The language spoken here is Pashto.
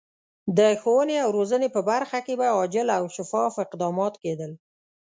د ښوونې او روزنې په برخه کې به عاجل او شفاف اقدامات کېدل.